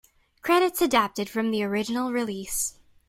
Credits adapted from the original release.